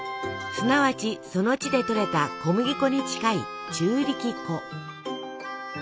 すなわちその地でとれた小麦粉に近い中力粉。